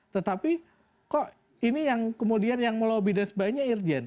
tetapi kok ini yang kemudian yang melobi dan sebagainya irjen